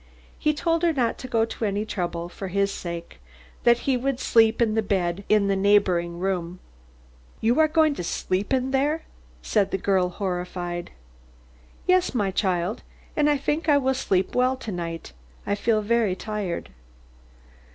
He told her not to go to any trouble for his sake, that he would sleep in the bed in the neighbouring room. "You going to sleep in there?" said the girl, horrified. "Yes, my child, and I think I will sleep well to night. I feel very tired."